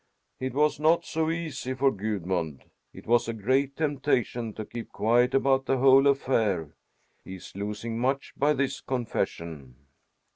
"It was not so easy for Gudmund. It was a great temptation to keep quiet about the whole affair. He is losing much by this confession."